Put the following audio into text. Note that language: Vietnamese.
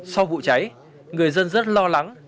sau vụ cháy người dân rất lo lắng